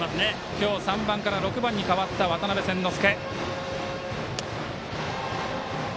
今日は３番から６番に変わった渡邉千之亮。